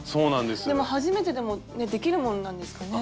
でも初めてでもできるもんなんですかね？